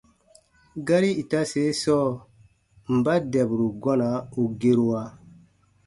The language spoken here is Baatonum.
Gari itase sɔɔ: mba dɛburu gɔna u gerua?